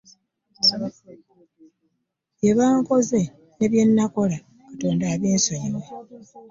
Bye bankozesa ne bye nakola Katonda abinsonyiwe.